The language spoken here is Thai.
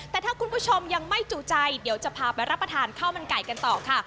แต่ถ้าคุณผู้ชมยังไม่จู่ใจเดี๋ยวจะพาไปรับประทานข้าวมันไก่กันต่อค่ะ